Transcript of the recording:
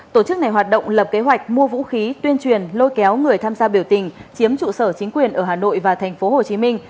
tổ chức này hoạt động lập kế hoạch mua vũ khí tuyên truyền lôi kéo người tham gia biểu tình chiếm trụ sở chính quyền ở hà nội và thành phố hồ chí minh